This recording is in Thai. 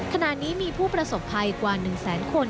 ขณะนี้มีผู้ประสบภัยกว่า๑แสนคน